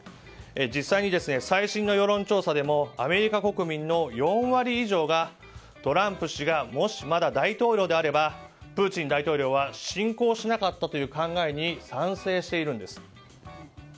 実際に、最新の世論調査でもアメリカ国民の４割以上がトランプ氏がもし、まだ大統領であればプーチン大統領は侵攻しなかったという考えに賛成しているんです。